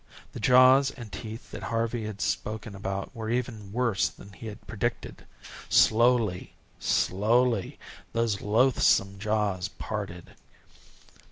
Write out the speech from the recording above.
The jaws and teeth that Harvey had spoken about were even worse than he had predicted. Slowly, slowly, those loathsome jaws parted.